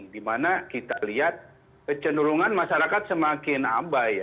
di mana kita lihat kecenderungan masyarakat semakin abai